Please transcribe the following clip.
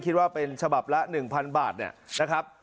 คิดว่าเป็นฉบับละ๑๐๐๐บาทเนี่ยนะครับ